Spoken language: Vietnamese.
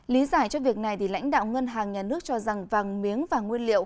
lý giải cho việc này thì lãnh đạo ngân hàng nhà nước cho rằng vàng miếng và nguyên liệu